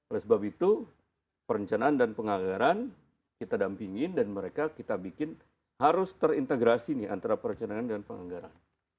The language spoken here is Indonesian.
oleh sebab itu perencanaan dan penganggaran kita dampingin dan mereka kita bikin harus terintegrasi nih antara perencanaan dan penganggaran